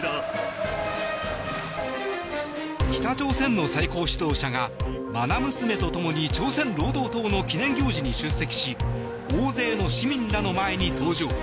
北朝鮮の最高指導者が愛娘と共に朝鮮労働党の記念行事に出席し大勢の市民らの前に登場。